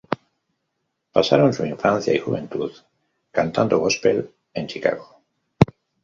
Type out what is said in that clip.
Pasaron su infancia y juventud cantando gospel en Chicago.